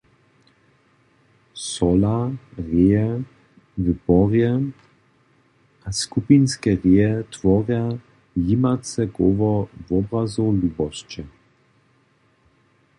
Sola, reje w porje a skupinske reje tworja jimace koło wobrazow lubosće.